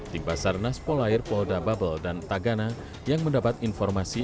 tingpasar naspolair polda babel dan tagana yang mendapat informasi